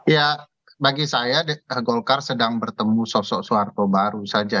ya bagi saya golkar sedang bertemu sosok soeharto baru saja